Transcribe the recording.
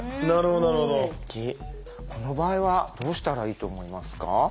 この場合はどうしたらいいと思いますか？